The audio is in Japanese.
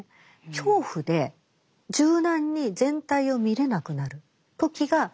恐怖で柔軟に全体を見れなくなる時がチャンスなんです。